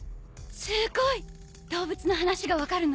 すごい！動物の話が分かるの？